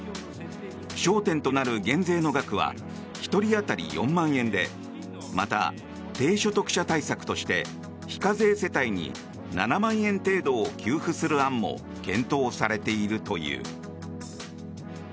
焦点となる減税の額は１人当たり４万円でまた、低所得者対策として非課税世帯に７万円程度を給付する案も検討されているという。